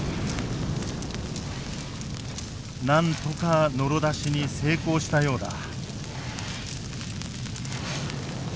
なんとかノロ出しに成功したようだ。